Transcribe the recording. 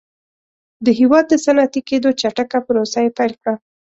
د هېواد د صنعتي کېدو چټکه پروسه یې پیل کړه